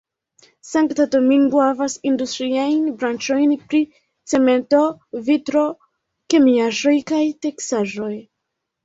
Sankta Domingo havas industriajn branĉojn pri cemento, vitro, kemiaĵoj kaj teksaĵoj.